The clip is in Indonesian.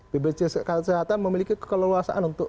bbc kesehatan memiliki keleluasan untuk